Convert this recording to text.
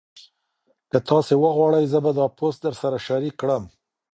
که تاسي وغواړئ زه به دا پوسټ درسره شریک کړم.